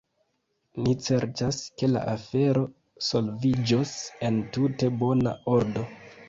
Ni certas, ke la afero solviĝos en tute bona ordo.